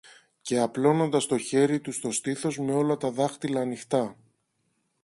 και απλώνοντας το χέρι του στο στήθος με όλα τα δάχτυλα ανοιχτά.